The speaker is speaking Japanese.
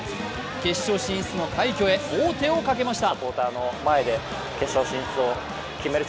決勝進出の快挙へ王手をかけました。